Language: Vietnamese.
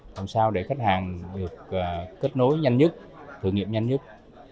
làm sao để khách hàng được kết nối nhanh nhất thử nghiệm nhanh nhất